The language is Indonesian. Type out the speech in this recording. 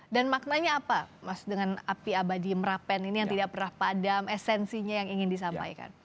dan maknanya apa mas dengan api abadi merapen ini yang tidak pernah padam esensinya yang ingin disampaikan